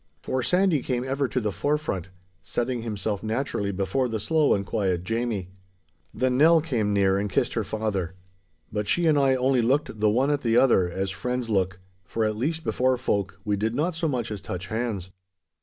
For Sandy came ever to the forefront, setting himself naturally before the slow and quiet Jamie. Then Nell came near and kissed her rather. But she and I only looked the one at the other as friends look, for at least before folk we did not so much as touch hands.